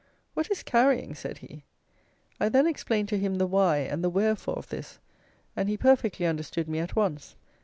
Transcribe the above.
"What is carrying?" said he. I then explained to him the why and the wherefore of this, and he perfectly understood me at once.